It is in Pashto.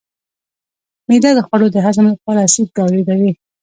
معده د خوړو د هضم لپاره اسید تولیدوي.